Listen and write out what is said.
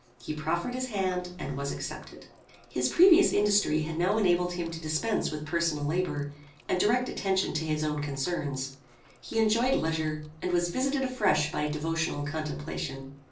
He proffered his hand and was accepted. His previous industry had now enabled him to dispense with personal labour, and direct attention to his own concerns. He enjoyed leisure, and was visited afresh by devotional contemplation.